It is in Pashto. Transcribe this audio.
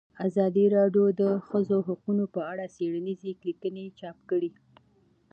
ازادي راډیو د د ښځو حقونه په اړه څېړنیزې لیکنې چاپ کړي.